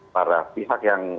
para pihak yang